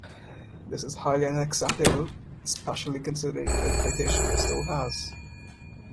This is highly unacceptable, especially considering the reputation your store has.